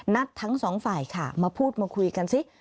ทั้งสองฝ่ายค่ะมาพูดมาคุยกันซิ